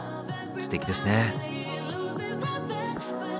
すてきですね。